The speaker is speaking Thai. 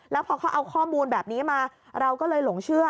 แล้วพอเขาเอาข้อมูลแบบนี้มาเราก็เลยหลงเชื่อ